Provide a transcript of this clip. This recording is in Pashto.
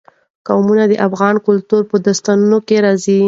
قومونه د افغان کلتور په داستانونو کې راځي.